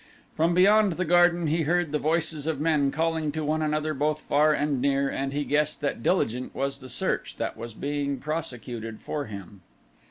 From beyond the garden he heard the voices of men calling to one another both far and near, and he guessed that diligent was the search that was being prosecuted for him.